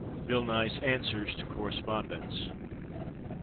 BILL NYE'S ANSWERS TO CORRESPONDENTS.